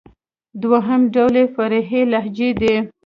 دوهم ډول ئې فرعي لهجې دئ.